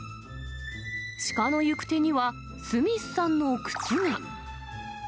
シカの行く手には、スミスさんの靴が。